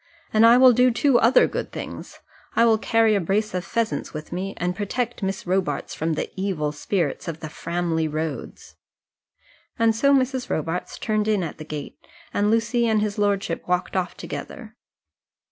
And I will do two other good things I will carry a brace of pheasants with me, and protect Miss Robarts from the evil spirits of the Framley roads." And so Mrs. Robarts turned in at the gate, and Lucy and his lordship walked off together.